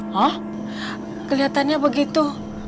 hah keliatannya begitu